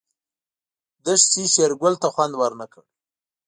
دښتې شېرګل ته خوند ورنه کړ.